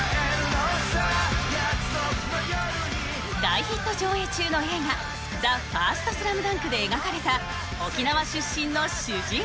大ヒット上映中の映画『ＴＨＥＦＩＲＳＴＳＬＡＭＤＵＮＫ』で描かれた沖縄出身の主人公